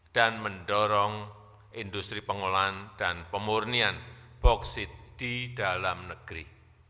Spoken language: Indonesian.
dan mendorong industri pengolahan dan pemurnian bauksit di dalam negeri